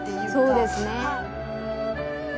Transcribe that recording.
そうですね。